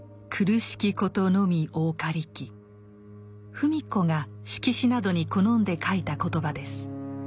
芙美子が色紙などに好んで書いた言葉です。